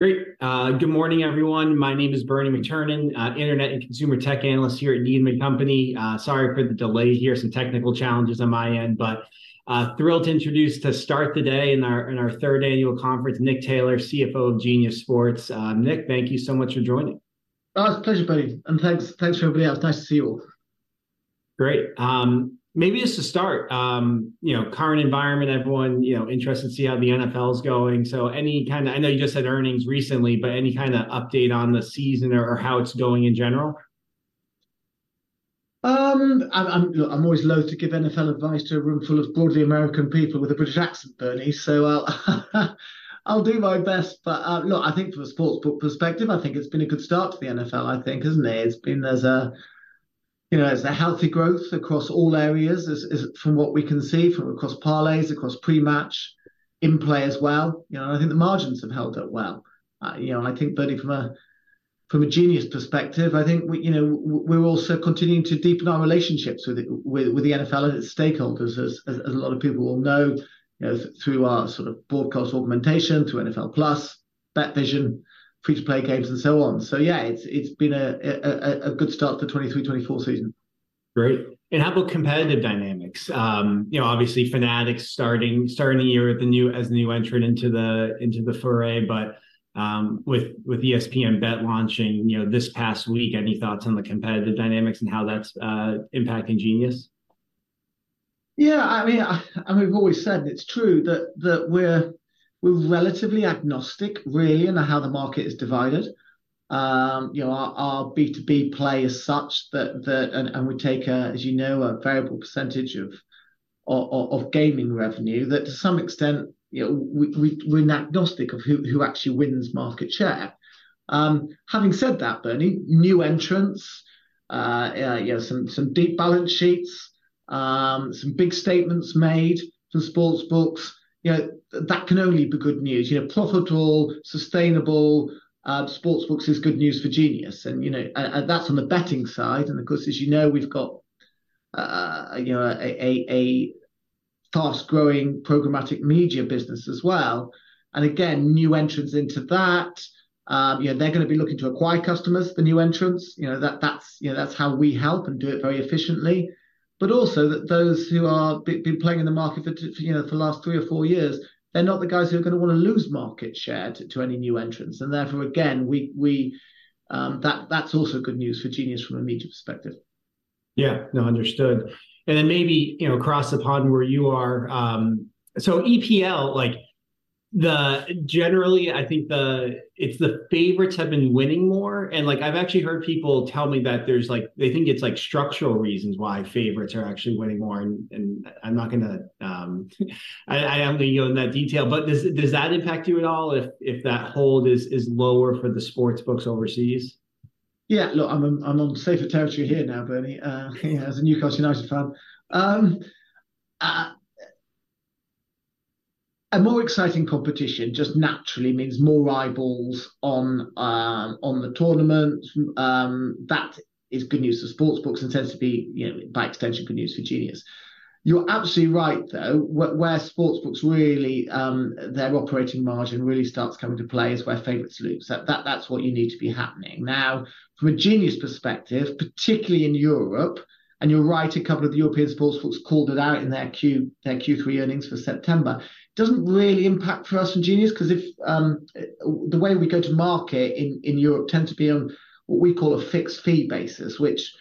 Great. Good morning, everyone. My name is Bernie McTernan, internet and consumer tech analyst here at Needham & Company. Sorry for the delay here, some technical challenges on my end, but thrilled to introduce, to start the day in our third annual conference, Nick Taylor, CFO of Genius Sports. Nick, thank you so much for joining. Oh, it's a pleasure, Bernie, and thanks, thanks for everybody else. Nice to see you all. Great. Maybe just to start, you know, current environment, everyone, you know, interested to see how the NFL's going. So any kind of... I know you just had earnings recently, but any kind of update on the season or, or how it's going in general? I'm, look, I'm always loathe to give NFL advice to a room full of broadly American people with a British accent, Bernie, so I'll do my best. But, look, I think from a sportsbook perspective, I think it's been a good start to the NFL, I think, hasn't it? It's been as a, you know, as a healthy growth across all areas, as, as from what we can see from across parlays, across pre-match, in-play as well. You know, I think the margins have held up well. You know, and I think, Bernie, from a Genius perspective, I think we, you know, we're also continuing to deepen our relationships with the NFL and its stakeholders, as a lot of people will know, you know, through our sort of broadcast augmentation, through NFL+, BetVision, free-to-play games, and so on. So yeah, it's been a good start to the 2023, 2024 season. Great. And how about competitive dynamics? You know, obviously Fanatics starting the year as a new entrant into the foray, but with ESPN Bet launching, you know, this past week, any thoughts on the competitive dynamics and how that's impacting Genius? Yeah, I mean, and we've always said it's true that we're relatively agnostic, really, in how the market is divided. You know, our B2B play is such that we take a, as you know, a variable percentage of gaming revenue, that to some extent, you know, we're agnostic of who actually wins market share. Having said that, Bernie, new entrants, you know, some deep balance sheets, some big statements made from sportsbooks, you know, that can only be good news. You know, profitable, sustainable sportsbooks is good news for Genius and, you know, and that's on the betting side. And of course, as you know, we've got a fast-growing programmatic media business as well. Again, new entrants into that, you know, they're gonna be looking to acquire customers, the new entrants. You know, that's, you know, that's how we help and do it very efficiently. But also, those who have been playing in the market for, you know, for the last three or four years, they're not the guys who are gonna wanna lose market share to any new entrants. And therefore, again, we, that's also good news for Genius from a media perspective. Yeah. No, understood. And then maybe, you know, across the pond where you are. So EPL, like, generally, I think the favorites have been winning more, and like, I've actually heard people tell me that there's like they think it's like structural reasons why favorites are actually winning more, and, and I'm not gonna, I am gonna go into that detail. But does that impact you at all if that hold is lower for the sports books overseas? Yeah, look, I'm in, I'm on safer territory here now, Bernie, as a Newcastle United fan. A more exciting competition just naturally means more eyeballs on the tournament. That is good news for sports books and tends to be, you know, by extension, good news for Genius. You're absolutely right, though. Where sports books really, their operating margin really starts coming to play is where favorites lose. That's what you need to be happening. Now, from a Genius perspective, particularly in Europe, and you're right, a couple of the European sports books called it out in their Q3 earnings for September. It doesn't really impact us in Genius, 'cause if the way we go to market in Europe tends to be on what we call a fixed fee basis, which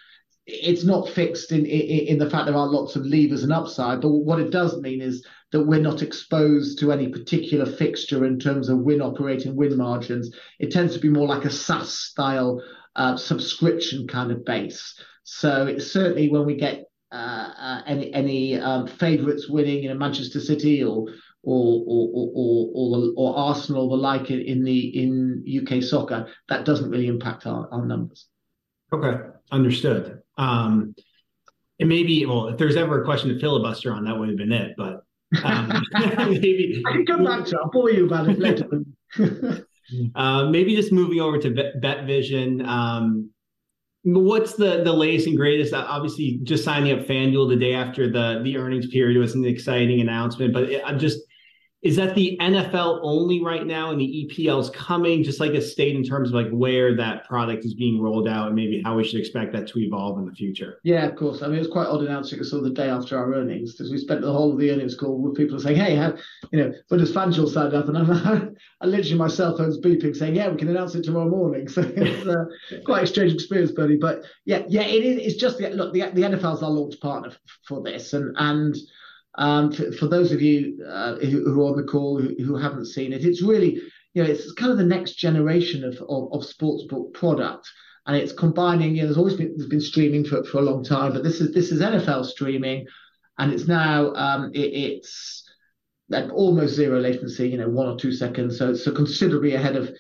it's not fixed in the fact there are lots of levers and upside, but what it does mean is that we're not exposed to any particular fixture in terms of win operating, win margins. It tends to be more like a SaaS-style subscription kind of base. So certainly, when we get any favorites winning, you know, Manchester City or Arsenal the like in the UK soccer, that doesn't really impact our numbers. Okay, understood. And maybe... Well, if there's ever a question to filibuster on, that would've been it, but... maybe- I can come back to that for you, Bernie, later. Maybe just moving over to BetVision, what's the latest and greatest? Obviously, just signing up FanDuel the day after the earnings period was an exciting announcement, but I'm just— is that the NFL only right now, and the EPL's coming? Just a status in terms of, like, where that product is being rolled out and maybe how we should expect that to evolve in the future. Yeah, of course. I mean, it was quite odd announcing it sort of the day after our earnings, 'cause we spent the whole of the earnings call with people saying, "Hey, how, you know, when does FanDuel sign up?" And I'm like, literally my cell phone's beeping saying, "Yeah, we can announce it tomorrow morning." So it's quite a strange experience, Bernie. But yeah, yeah, it is. It's just the look, the NFL's our launch partner for this. And for those of you who are on the call who haven't seen it, it's really, you know, it's kind of the next generation of sportsbook product, and it's combining... You know, there's always been streaming for a long time, but this is NFL streaming, and it's now it, it's like almost zero latency, you know, one or two seconds, so considerably ahead of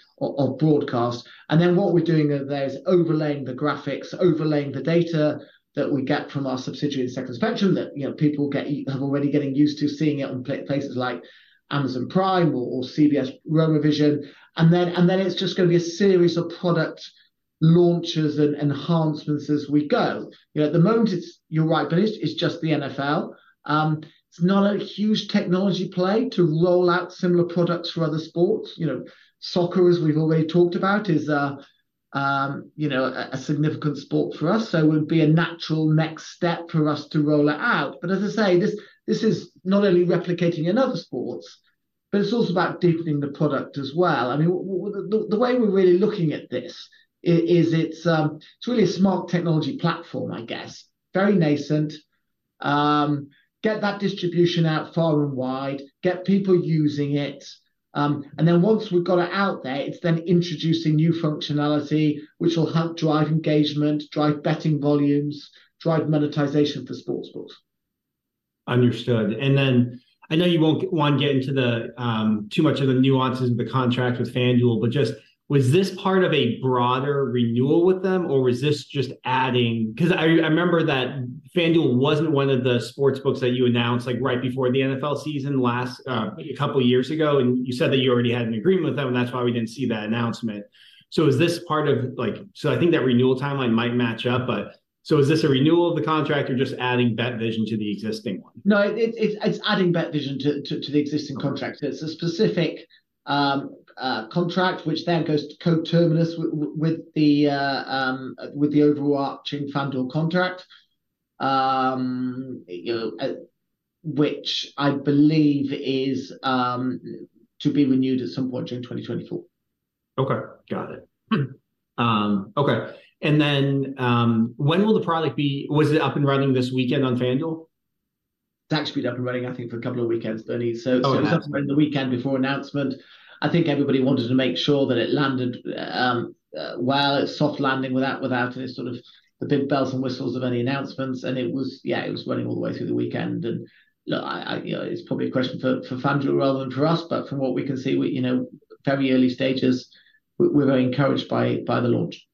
broadcast. And then what we're doing there is overlaying the graphics, overlaying the data that we get from our subsidiary Second Spectrum that, you know, people are already getting used to seeing it on places like Amazon Prime or CBS Prime Vision. And then it's just gonna be a series of product launches and enhancements as we go. You know, at the moment it's, you're right, but it's just the NFL. It's not a huge technology play to roll out similar products for other sports. You know, soccer, as we've already talked about, is a significant sport for us, so it would be a natural next step for us to roll it out. But as I say, this is not only replicating in other sports, but it's also about deepening the product as well. I mean, the way we're really looking at this is it's really a smart technology platform, I guess. Very nascent. Get that distribution out far and wide, get people using it. And then once we've got it out there, it's then introducing new functionality, which will help drive engagement, drive betting volumes, drive monetization for sports books. Understood. And then I know you won't want to get into the, too much of the nuances of the contract with FanDuel, but just was this part of a broader renewal with them, or was this just adding... 'Cause I remember that FanDuel wasn't one of the sports books that you announced, like, right before the NFL season last, a couple of years ago, and you said that you already had an agreement with them, and that's why we didn't see that announcement. So is this part of, like... So I think that renewal timeline might match up, but, so is this a renewal of the contract or just adding BetVision to the existing one? No, it's adding BetVision to the existing contract. Okay. It's a specific contract, which then goes to co-terminus with the overarching FanDuel contract. You know, which I believe is to be renewed at some point during 2024. Okay, got it. Okay. And then, when will the product be- was it up and running this weekend on FanDuel? It's actually been up and running, I think, for a couple of weekends, Bernie. Oh, okay. So it was up and running the weekend before announcement. I think everybody wanted to make sure that it landed well, a soft landing, without any sort of the big bells and whistles of any announcements, and it was. Yeah, it was running all the way through the weekend. And look, you know, it's probably a question for FanDuel rather than for us, but from what we can see, you know, very early stages, we're very encouraged by the launch.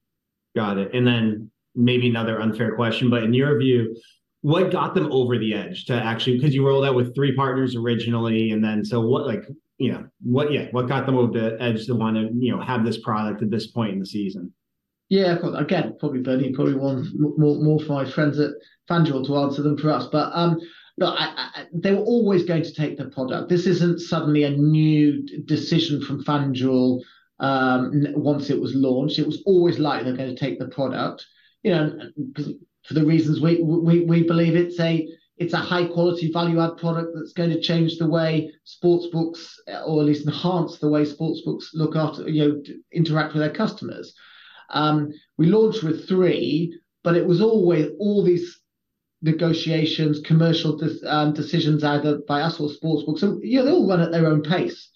Got it. And then maybe another unfair question, but in your view, what got them over the edge to actually-'cause you rolled out with three partners originally, and then, so what like... You know, what, yeah, what got them over the edge to wanna, you know, have this product at this point in the season? Yeah, of course. Again, probably Bernie, probably want more from my friends at FanDuel to answer than from us. But look, they were always going to take the product. This isn't suddenly a new decision from FanDuel once it was launched. It was always like they're gonna take the product, you know, because for the reasons we believe it's a high quality value-add product that's going to change the way sports books, or at least enhance the way sports books look after, you know, interact with their customers. We launched with 3, but it was always all these negotiations, commercial decisions, either by us or sports books. So, you know, they all run at their own pace,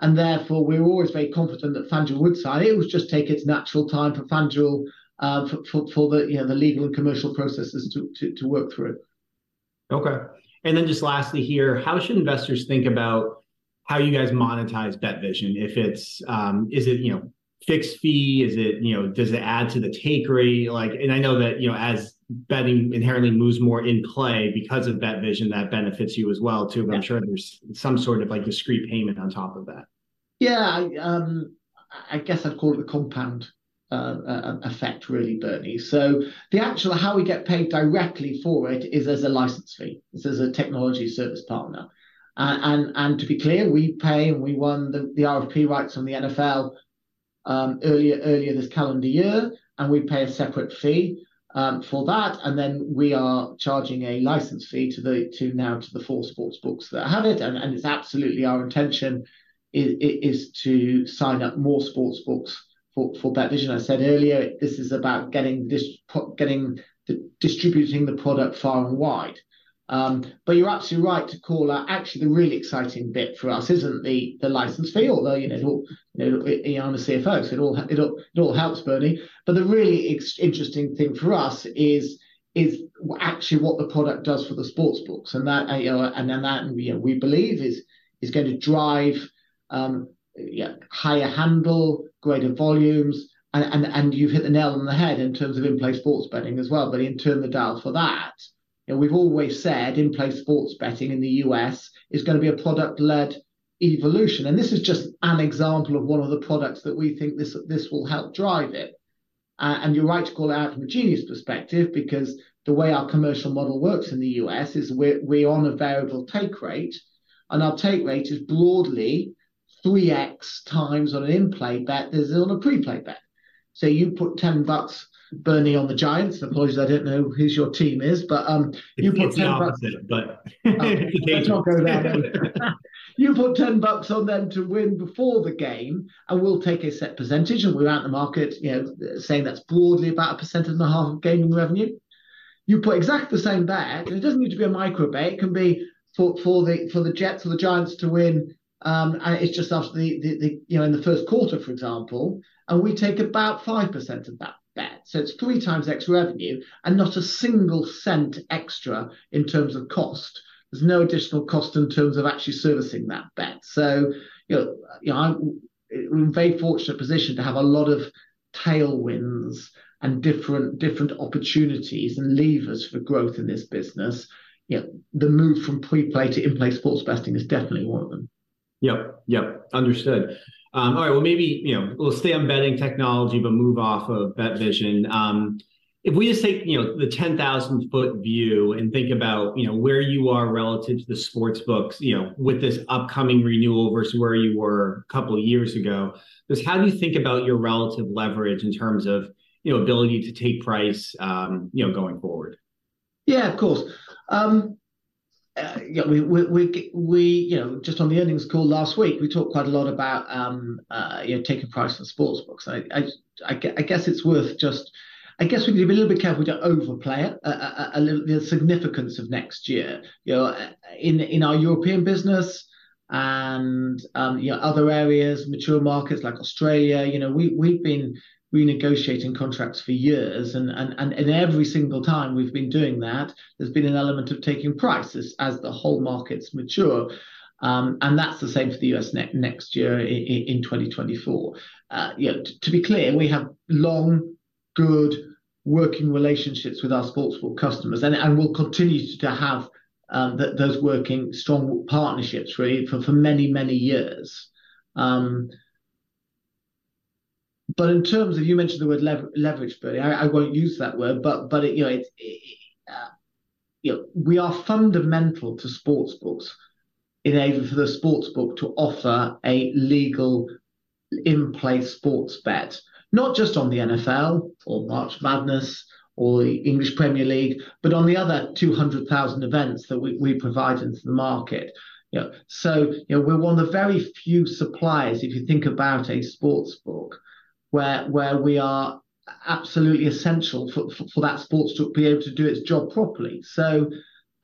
and therefore, we were always very confident that FanDuel would sign. It would just take its natural time for FanDuel, you know, the legal and commercial processes to work through it. Okay. And then just lastly here, how should investors think about how you guys monetize BetVision? If it's, is it, you know, fixed fee? Is it, you know, does it add to the take rate? Like, and I know that, you know, as betting inherently moves more in play because of BetVision, that benefits you as well, too. Yeah. I'm sure there's some sort of, like, discrete payment on top of that. Yeah. I guess I'd call it the compound effect really, Bernie. So the actual how we get paid directly for it is there's a license fee, is there's a technology service partner. And to be clear, we pay, and we won the RFP rights from the NFL earlier this calendar year, and we pay a separate fee for that. And then we are charging a license fee to now to the four sportsbooks that have it. And it's absolutely our intention is to sign up more sportsbooks for BetVision. I said earlier, this is about getting this getting, distributing the product far and wide. But you're absolutely right to call out. Actually, the really exciting bit for us isn't the license fee, although you know, I'm a CFO, so it all helps, Bernie. But the really interesting thing for us is actually what the product does for the sports books. And that, you know, and then that, you know, we believe is going to drive higher handle, greater volumes, and you've hit the nail on the head in terms of in-play sports betting as well. But turn the dial for that, and we've always said in-play sports betting in the U.S. is gonna be a product-led evolution, and this is just an example of one of the products that we think this will help drive it. And you're right to call out from a Genius perspective, because the way our commercial model works in the U.S is we're on a variable take rate, and our take rate is broadly 3x times on an in-play bet as on a pre-play bet. So you put $10, Bernie, on the Giants. Apologies, I don't know who your team is, but you put $10- It's the opposite, but... Let's not go there. You put $10 on them to win before the game, and we'll take a set percentage, and we're out in the market, you know, saying that's broadly about 1.5% of gaming revenue. You put exactly the same bet, and it doesn't need to be a micro bet, it can be for the Jets or the Giants to win, and it's just after the, you know, in the first quarter, for example, and we take about 5% of that bet. So it's 3x revenue and not a single cent extra in terms of cost. There's no additional cost in terms of actually servicing that bet. So, you know, yeah, I'm in a very fortunate position to have a lot of tailwinds and different opportunities and levers for growth in this business. Yet, the move from pre-play to in-play sports betting is definitely one of them. ... Yep, yep. Understood. All right, well, maybe, you know, we'll stay on betting technology, but move off of BetVision. If we just take, you know, the 10,000 foot view and think about, you know, where you are relative to the sportsbooks, you know, with this upcoming renewal versus where you were a couple of years ago, just how do you think about your relative leverage in terms of, you know, ability to take price, you know, going forward? Yeah, of course. Yeah, we, you know, just on the earnings call last week, we talked quite a lot about, you know, taking price on sportsbooks. I guess it's worth just... I guess we need to be a little bit careful we don't overplay it, the significance of next year. You know, in our European business and, you know, other areas, mature markets like Australia, you know, we, we've been renegotiating contracts for years, and every single time we've been doing that, there's been an element of taking prices as the whole markets mature. And that's the same for the U.S. next year in 2024. You know, to be clear, we have long, good working relationships with our sportsbook customers, and we'll continue to have those working strong partnerships really for many, many years. But in terms of, you mentioned the word leverage, Bernie, I won't use that word, but you know, it, you know, we are fundamental to sportsbooks, enabling for the sportsbook to offer a legal in-play sports bet, not just on the NFL or March Madness or the English Premier League, but on the other 200,000 events that we provide into the market. You know, so, you know, we're one of the very few suppliers, if you think about a sportsbook, where we are absolutely essential for that sportsbook to be able to do its job properly. So,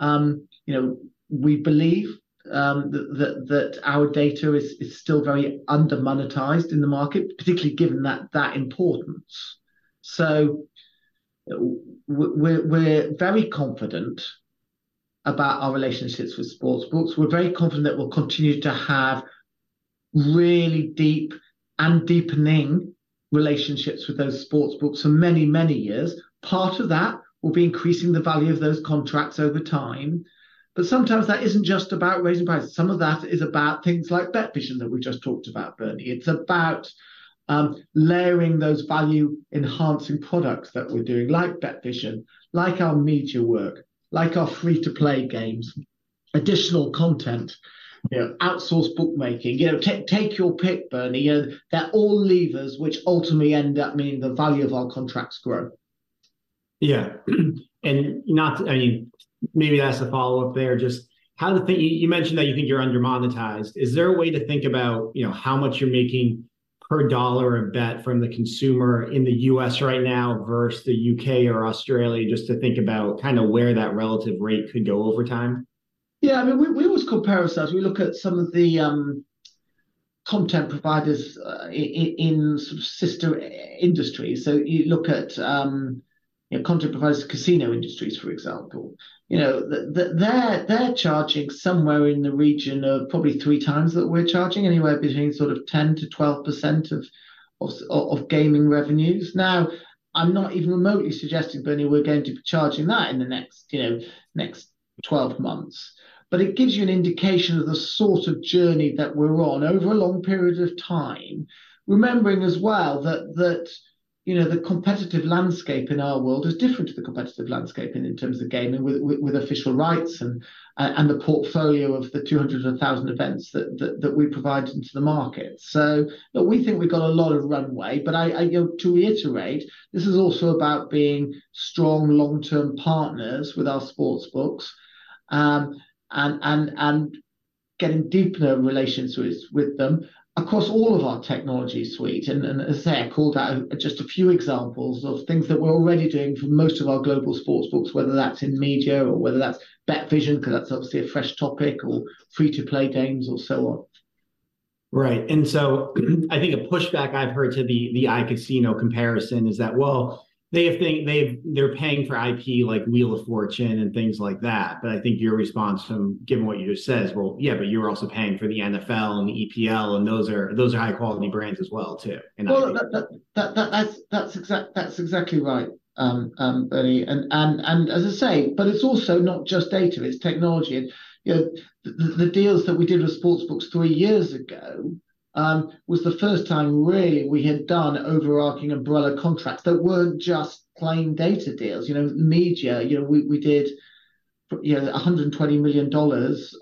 you know, we believe that our data is still very under-monetized in the market, particularly given that importance. So we're very confident about our relationships with sportsbooks. We're very confident that we'll continue to have really deep and deepening relationships with those sportsbooks for many, many years. Part of that will be increasing the value of those contracts over time, but sometimes that isn't just about raising prices. Some of that is about things like BetVision that we just talked about, Bernie. It's about layering those value-enhancing products that we're doing, like BetVision, like our media work, like our free-to-play games, additional content- Yeah... outsourced bookmaking. You know, take your pick, Bernie. You know, they're all levers which ultimately end up meaning the value of our contracts grow. Yeah. And not, I mean, maybe as a follow-up there, just how do you think... You, you mentioned that you think you're under-monetized. Is there a way to think about, you know, how much you're making per dollar of bet from the consumer in the U.S. right now versus the U.K. or Australia, just to think about kind of where that relative rate could go over time? Yeah, I mean, we always compare ourselves. We look at some of the content providers in sort of sister industries. So you look at, you know, content providers to casino industries, for example. You know, they're charging somewhere in the region of probably three times what we're charging, anywhere between sort of 10% to 12% of gaming revenues. Now, I'm not even remotely suggesting, Bernie, we're going to be charging that in the next, you know, next 12 months. But it gives you an indication of the sort of journey that we're on over a long period of time, remembering as well that, you know, the competitive landscape in our world is different to the competitive landscape and in terms of gaming with official rights and the portfolio of the 200 and 1,000 events that we provide into the market. So, but we think we've got a lot of runway. But I, you know, to reiterate, this is also about being strong long-term partners with our sportsbooks and getting deeper relations with them across all of our technology suite. And as I say, I called out just a few examples of things that we're already doing for most of our global sportsbooks, whether that's in media or whether that's BetVision, because that's obviously a fresh topic, or free-to-play games or so on. Right. And so I think a pushback I've heard to the iCasino comparison is that, well, they're paying for IP, like Wheel of Fortune and things like that. But I think your response, given what you just said, is, "Well, yeah, but you're also paying for the NFL and the EPL, and those are high-quality brands as well, too," and- Well, that's exactly right, Bernie. And as I say, but it's also not just data, it's technology. And, you know, the deals that we did with sportsbooks three years ago was the first time really we had done overarching umbrella contracts that weren't just plain data deals. You know, media, you know, we did $120 million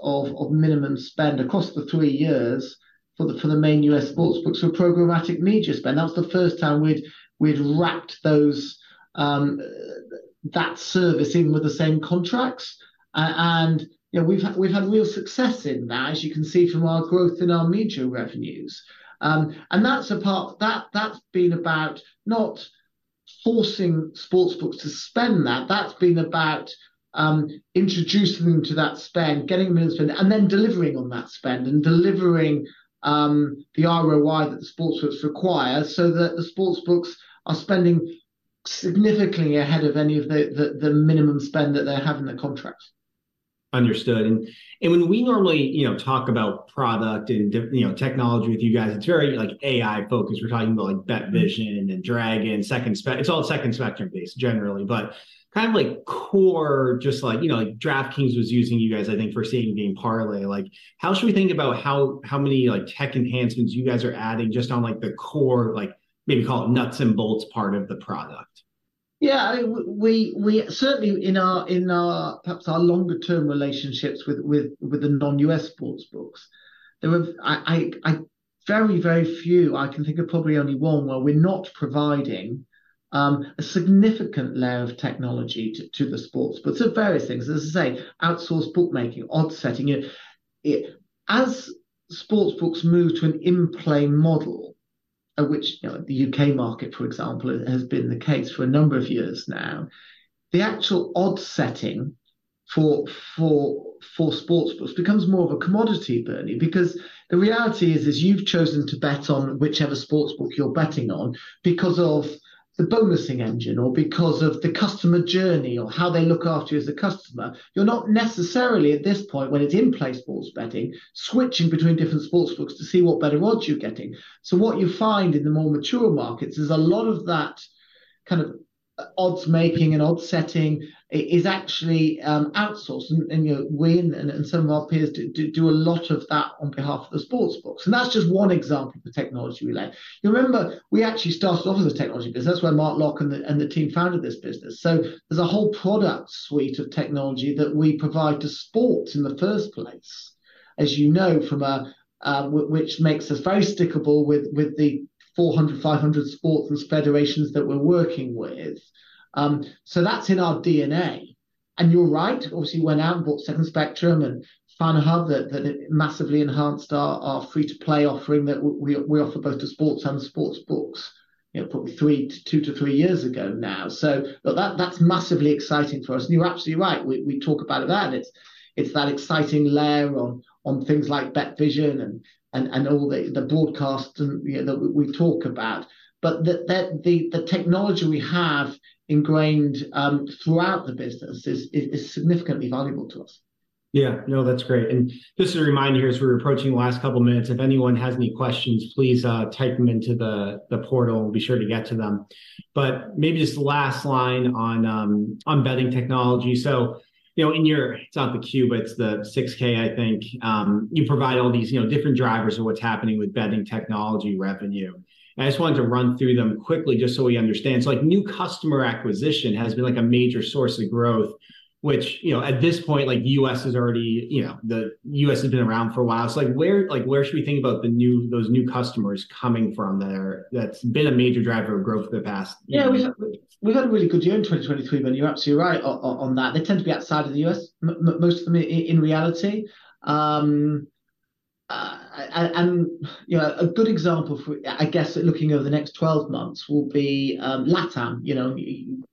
of minimum spend across the three years for the main U.S. sportsbooks for programmatic media spend. That's the first time we'd wrapped those that service in with the same contracts. And, you know, we've had real success in that, as you can see from our growth in our media revenues. And that's a part... That, that's been about not forcing sports books to spend that. That's been about, introducing them to that spend, getting them in to spend, and then delivering on that spend, and delivering, the ROI that the sports books require, so that the sports books are spending significantly ahead of any of the minimum spend that they have in their contracts. ... understood. And when we normally, you know, talk about product and, you know, technology with you guys, it's very, like, AI-focused. We're talking about, like, BetVision, and then Dragon, Second Spectrum. It's all Second Spectrum-based generally, but kind of like core, just like, you know, like DraftKings was using you guys, I think, for Same Game Parlay. Like, how should we think about how many, like, tech enhancements you guys are adding, just on, like, the core, like, maybe call it nuts and bolts part of the product? Yeah, we certainly, in our perhaps longer term relationships with the non-U.S sportsbooks, there were very, very few. I can think of probably only one where we're not providing a significant layer of technology to the sportsbooks. So various things, as I say, outsourced bookmaking, odds setting. As sportsbooks move to an in-play model, of which, you know, the UK market, for example, has been the case for a number of years now, the actual odds setting for sportsbooks becomes more of a commodity, Bernie. Because the reality is you've chosen to bet on whichever sportsbook you're betting on because of the bonusing engine or because of the customer journey or how they look after you as a customer. You're not necessarily, at this point, when it's in-play sports betting, switching between different sportsbooks to see what better odds you're getting. So what you find in the more mature markets is a lot of that kind of odds making and odd setting is actually outsourced. You know, we and some of our peers do a lot of that on behalf of the sportsbooks. And that's just one example of the technology we lay. You remember, we actually started off as a technology business. That's where Mark Locke and the team founded this business. So there's a whole product suite of technology that we provide to sports in the first place. As you know, from a which makes us very sticky with the 400 to 500 sports and federations that we're working with. So that's in our DNA. And you're right, obviously went out and bought Second Spectrum and FanHub, that massively enhanced our free-to-play offering that we offer both to sports and sportsbooks, you know, probably 2 to 3 years ago now. So, but that's massively exciting for us. And you're absolutely right, we talk about it that it's that exciting layer on things like BetVision and all the broadcast and, you know, that we talk about. But the technology we have ingrained throughout the business is significantly valuable to us. Yeah. No, that's great. And just a reminder, as we're approaching the last couple minutes, if anyone has any questions, please, type them into the portal. We'll be sure to get to them. But maybe just the last line on, on betting technology. So, you know, in your, it's not the tube, it's the 6-K, I think, you provide all these, you know, different drivers of what's happening with betting technology revenue. I just wanted to run through them quickly just so we understand. So, like, new customer acquisition has been, like, a major source of growth, which, you know, at this point, like, the U.S. is already... You know, the U.S. has been around for a while. So, like, where, like, where should we think about the new- those new customers coming from there? That's been a major driver of growth in the past years. Yeah, we've had a really good year in 2023, Bernie. You're absolutely right on that. They tend to be outside of the U.S., most of them in reality. You know, a good example, I guess, looking over the next 12 months, will be LatAm. You know,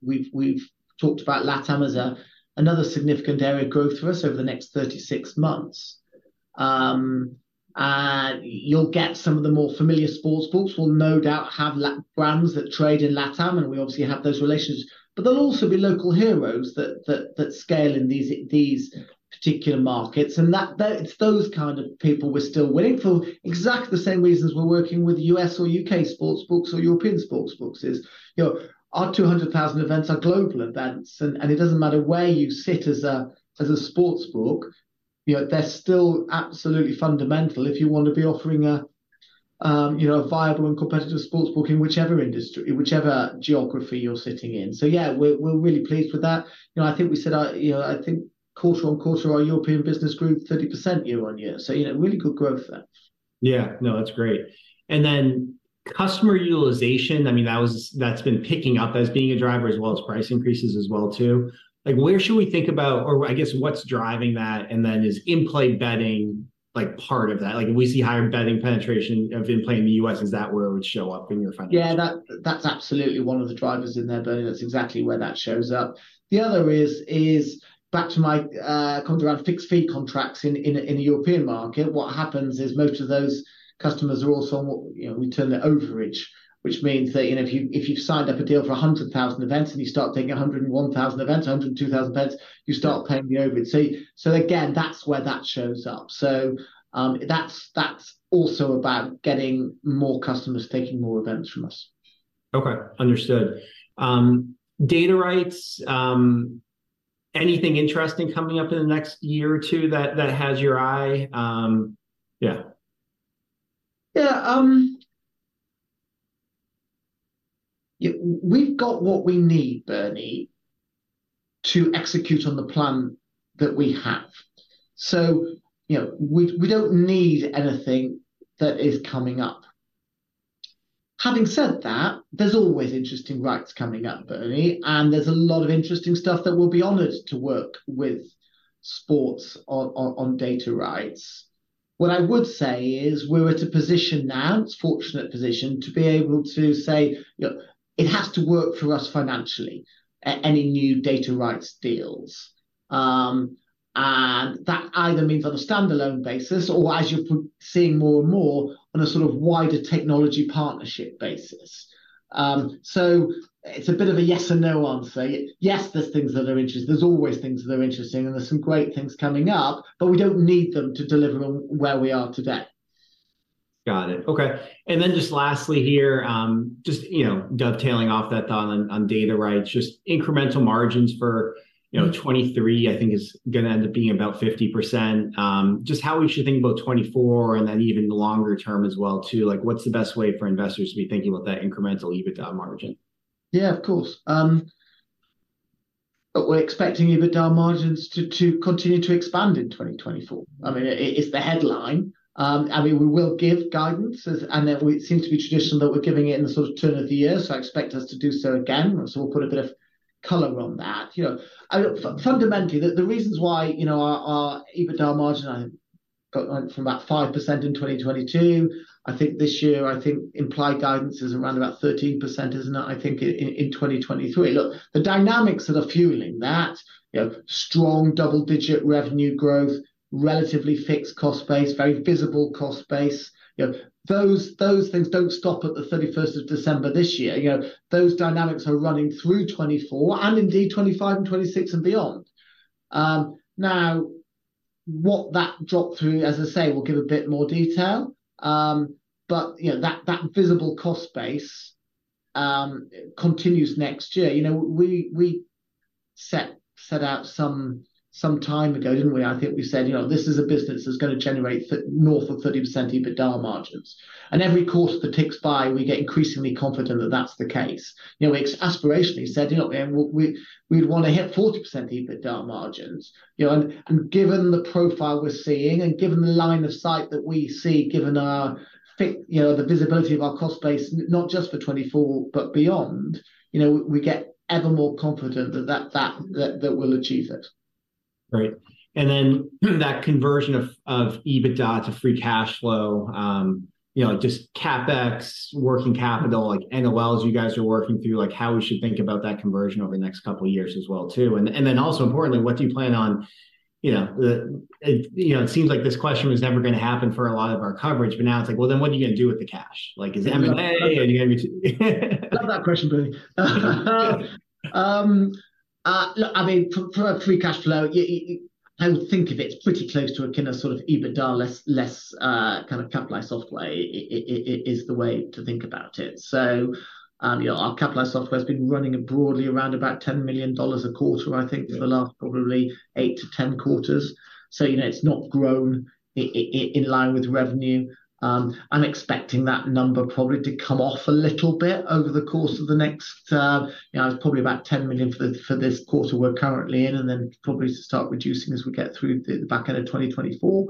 we've talked about LatAm as another significant area of growth for us over the next 36 months. And you'll get some of the more familiar sportsbooks will no doubt have brands that trade in LatAm, and we obviously have those relations. But there'll also be local heroes that scale in these particular markets, and that—it's those kind of people we're still winning for exactly the same reasons we're working with U.S. or U.K. sportsbooks or European sportsbooks. You know, our 200,000 events are global events. And it doesn't matter where you sit as a sportsbook, you know, they're still absolutely fundamental if you want to be offering a, you know, a viable and competitive sportsbook in whichever industry, whichever geography you're sitting in. So yeah, we're really pleased with that. You know, I think we said, you know, I think quarter-over-quarter, our European business grew 30% year-over-year. So, you know, really good growth there. Yeah. No, that's great. And then customer utilization, I mean, that was- that's been picking up as being a driver as well as price increases as well, too. Like, where should we think about... Or I guess, what's driving that, and then is in-play betting, like, part of that? Like, if we see higher betting penetration of in-play in the U.S., is that where it would show up in your financial? Yeah, that's absolutely one of the drivers in there, Bernie. That's exactly where that shows up. The other is back to my comment around fixed-fee contracts in the European market. What happens is most of those customers are also on what, you know, we term the overage, which means that, you know, if you, if you've signed up a deal for 100,000 events and you start taking 101,000 events, 102,000 events, you start paying me overage. So, again, that's where that shows up. So, that's also about getting more customers taking more events from us. Okay, understood. Data rights, anything interesting coming up in the next year or two that has your eye? Yeah. Yeah, we've got what we need, Bernie, to execute on the plan that we have. So, you know, we, we don't need anything that is coming up. Having said that, there's always interesting rights coming up, Bernie, and there's a lot of interesting stuff that we'll be honored to work with sports on, on, on data rights. What I would say is we're at a position now, it's fortunate position, to be able to say, "You know, it has to work for us financially, any new data rights deals." And that either means on a standalone basis, or as you're seeing more and more, on a sort of wider technology partnership basis. So it's a bit of a yes and no answer. Yes, there's always things that are interesting, and there's some great things coming up, but we don't need them to deliver on where we are today. Got it. Okay. And then just lastly here, just, you know, dovetailing off that thought on data rights, just incremental margins for, you know, 2023, I think is gonna end up being about 50%. Just how we should think about 2024, and then even the longer term as well, too. Like, what's the best way for investors to be thinking about that incremental EBITDA margin? Yeah, of course. But we're expecting EBITDA margins to continue to expand in 2024. I mean, it's the headline. I mean, we will give guidance and it seems to be traditional that we're giving it in the sort of turn of the year, so I expect us to do so again. So we'll put a bit of color on that. You know, fundamentally, the reasons why, you know, our EBITDA margin got, like, from about 5% in 2022, I think this year, I think implied guidance is around about 13%, isn't it? I think in 2023. Look, the dynamics that are fueling that, you know, strong double-digit revenue growth, relatively fixed cost base, very visible cost base, you know, those things don't stop at the 31st of December this year. You know, those dynamics are running through 2024, and indeed 2025 and 2026 and beyond. Now, what that drop through... As I say, we'll give a bit more detail. But, you know, that visible cost base continues next year. You know, we set out some time ago, didn't we? I think we said, "You know, this is a business that's gonna generate north of 30% EBITDA margins." And every quarter that ticks by, we get increasingly confident that that's the case. You know, we aspirationally said, "You know, we'd wanna hit 40% EBITDA margins." You know, and given the profile we're seeing and given the line of sight that we see, given our visibility of our cost base, not just for 2024, but beyond, you know, we get ever more confident that we'll achieve it. Right. And then that conversion of EBITDA to free cash flow, you know, just CapEx, working capital, like NOLs, you guys are working through, like how we should think about that conversion over the next couple of years as well, too. And then also importantly, what do you plan on... You know, it seems like this question was never gonna happen for a lot of our coverage, but now it's like, "Well, then what are you gonna do with the cash?" Like, is M&A- Love that question, Bernie. Look, I mean, for a free cash flow, I would think of it's pretty close to a kind of, sort of EBITDA less kind of capitalized software is the way to think about it. So, you know, our capitalized software's been running broadly around about $10 million a quarter, I think, for the last probably 8-10 quarters. So, you know, it's not grown in line with revenue. I'm expecting that number probably to come off a little bit over the course of the next, you know, it's probably about $10 million for this quarter we're currently in, and then probably to start reducing as we get through the back end of 2024.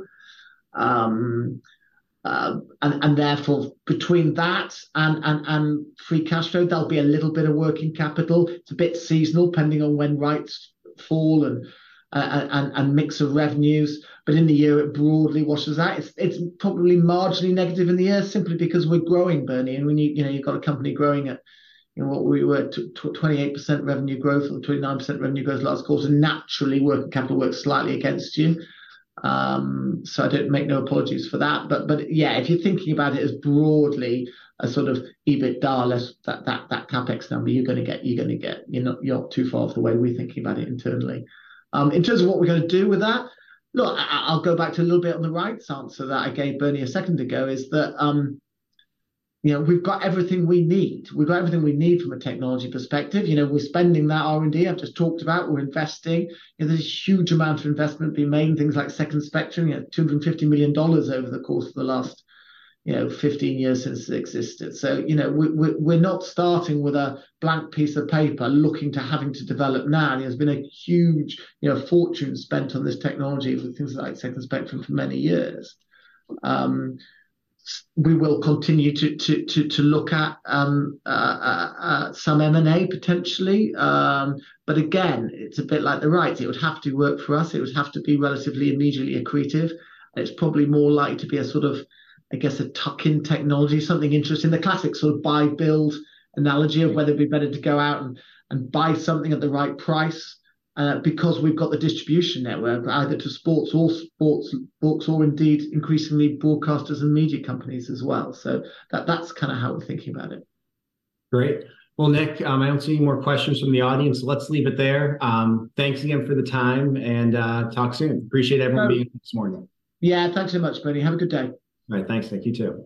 Therefore, between that and free cash flow, there'll be a little bit of working capital. It's a bit seasonal, depending on when rights fall and mix of revenues, but in the year, it broadly washes out. It's probably marginally negative in the year simply because we're growing, Bernie, and we need... You know, you've got a company growing at, you know, what we were, 28% revenue growth or 29% revenue growth last quarter. Naturally, working capital works slightly against you. So I don't make no apologies for that. But yeah, if you're thinking about it as broadly a sort of EBITDA less that CapEx number, you're gonna get... You're not too far off the way we're thinking about it internally. In terms of what we're gonna do with that? Look, I'll go back to a little bit on the right answer that I gave Bernie a second ago, is that, you know, we've got everything we need. We've got everything we need from a technology perspective. You know, we're spending that R&D I've just talked about. We're investing. You know, there's a huge amount of investment being made in things like Second Spectrum, you know, $250 million over the course of the last, you know, 15 years since it existed. So, you know, we're not starting with a blank piece of paper looking to having to develop now. There's been a huge, you know, fortune spent on this technology with things like Second Spectrum for many years. We will continue to look at some M&A potentially. But again, it's a bit like the rights. It would have to work for us. It would have to be relatively immediately accretive. It's probably more likely to be a sort of, I guess, a tuck-in technology, something interesting. The classic sort of buy-build analogy of whether it'd be better to go out and buy something at the right price, because we've got the distribution network, either to sports or sports books, or indeed, increasingly broadcasters and media companies as well. So that's kind of how we're thinking about it. Great. Well, Nick, I don't see any more questions from the audience, so let's leave it there. Thanks again for the time, and talk soon. Appreciate everyone being here this morning. Yeah, thanks so much, Bernie. Have a good day. All right, thanks. Thank you, too.